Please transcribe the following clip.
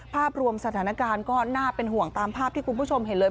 ภาพรวมสถานการณ์ก็น่าเป็นห่วงตามภาพที่คุณผู้ชมเห็นเลย